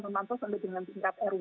memantau sampai dengan tingkat rw